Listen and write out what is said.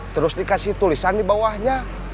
terus dikasih tulisan di bawahnya